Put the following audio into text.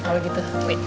oke kalau gitu